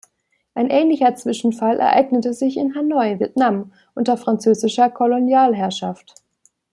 Ein ähnlicher Zwischenfall ereignete sich in Hanoi, Vietnam, unter französischer Kolonialherrschaft.